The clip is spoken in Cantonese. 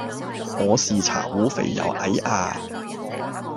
我是茶壺肥又矮呀